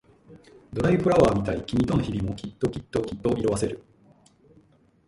ドライフラワーみたい君との日々もきっときっときっと色あせる